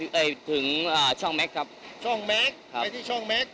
โอเคแล้วคุณไม่ได้รถเปล่ากาเบอร์